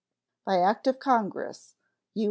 By act of Congress (U.